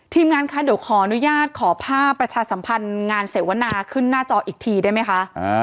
งานคะเดี๋ยวขออนุญาตขอภาพประชาสัมพันธ์งานเสวนาขึ้นหน้าจออีกทีได้ไหมคะ